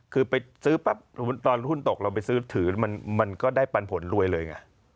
คือไปซื้อปั๊บตอนหุ้นตกเราไปซื้อถือมันก็ได้ปันผลรวยเลยไง